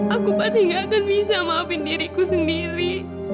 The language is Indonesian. aku pasti gak akan bisa maafin diriku sendiri